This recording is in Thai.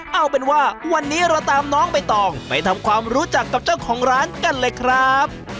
เอาเป็นว่าวันนี้เราตามน้องใบตองไปทำความรู้จักกับเจ้าของร้านกันเลยครับ